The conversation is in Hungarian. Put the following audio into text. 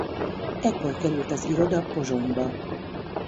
Ekkor került az iroda Pozsonyba.